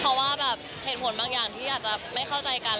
เพราะว่าแบบเหตุผลบางอย่างที่อาจจะไม่เข้าใจกัน